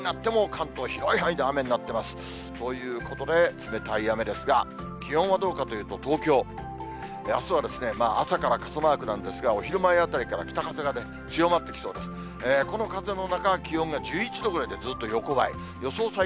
予想